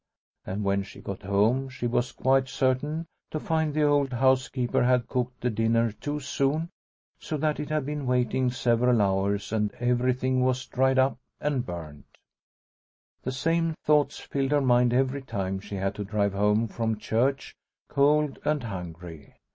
And when she got home she was quite certain to find the old 95 g6 Liliecrona's Home housekeeper had cooked the dinner too soon, so that it had been waiting several hours and everything was dried up and burnt. The same thoughts filled her mind every time she had to drive home from church cold and hungry.